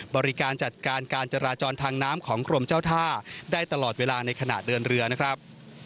บริการจัดการการจราจรทางน้ำของกรมเจ้าท่าได้ตลอดเวลาในขณะเดินเรือนะครับ